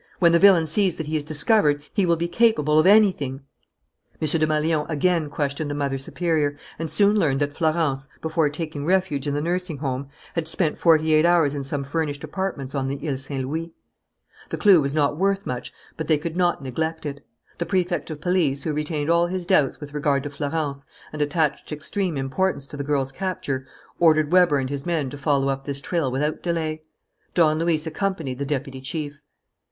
When the villain sees that he is discovered, he will be capable of anything." M. Desmalions again questioned the mother superior and soon learned that Florence, before taking refuge in the nursing home, had spent forty eight hours in some furnished apartments on the Ile Saint Louis. The clue was not worth much, but they could not neglect it. The Prefect of Police, who retained all his doubts with regard to Florence and attached extreme importance to the girl's capture, ordered Weber and his men to follow up this trail without delay. Don Luis accompanied the deputy chief.